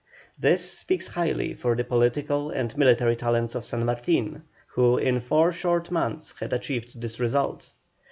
This speaks highly for the political and military talents of San Martin, who in four short months had achieved this result.